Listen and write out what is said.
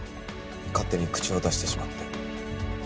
勝手に口を出してしまって。